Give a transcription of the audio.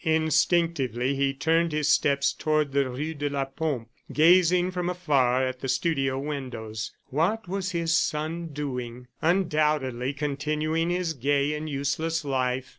Instinctively he turned his steps toward the rue de la Pompe gazing from afar at the studio windows. What was his son doing? ... Undoubtedly continuing his gay and useless life.